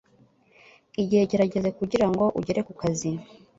Igihe kirageze kugirango ugere ku kazi